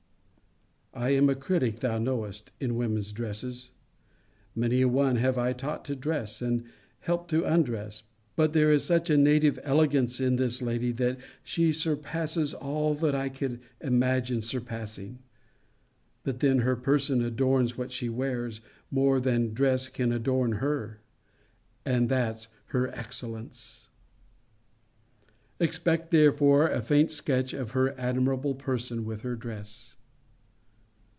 I am a critic, thou knowest, in women's dresses. Many a one have I taught to dress, and helped to undress. But there is such a native elegance in this lady, that she surpasses all that I could imagine surpassing. But then her person adorns what she wears, more than dress can adorn her; and that's her excellence. Expect therefore a faint sketch of her admirable person with her dress.